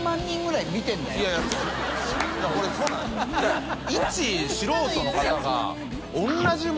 いち素人の方が韻